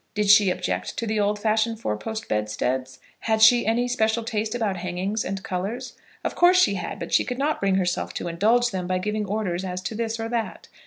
Did she object to the old fashioned four post bedsteads? Had she any special taste about hangings and colours? Of course she had, but she could not bring herself to indulge them by giving orders as to this or that.